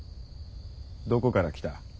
どこから来た？